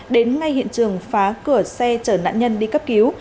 đến ngay hiện trường phá cửa xe chở nạn nhân đi cấp cứu